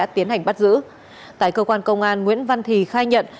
tại cơ quan công an nguyễn văn thì khai nhận